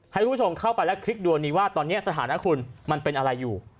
ให้คุณผู้ชมเข้าไปและคลิกดวงนี้ว่าตอนนี้สถานะคุณมันเป็นอะไรอยู่